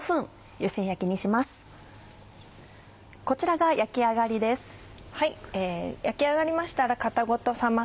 こちらが焼き上がりです。